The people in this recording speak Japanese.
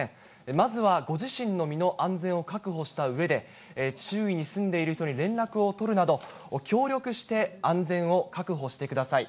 まずはご自身の身の安全を確保したうえで、周囲に住んでいる人に連絡を取るなど、協力して安全を確保してください。